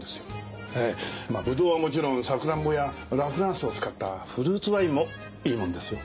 ブドウはもちろんさくらんぼやラフランスを使ったフルーツワインもいいものですよ。